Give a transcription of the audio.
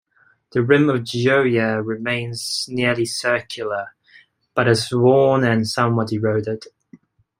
The rim of Gioia remains nearly circular, but is worn and somewhat eroded.